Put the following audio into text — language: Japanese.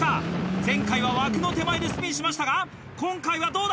前回は枠の手前でスピンしましたが今回はどうだ？